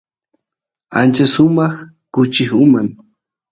ancha sumaq kuchi uman